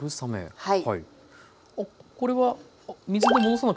はい。